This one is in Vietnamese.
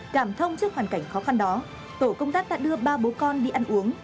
cảm thông trước hoàn cảnh khó khăn đó tổ công tác đã đưa ba bố con đi ăn uống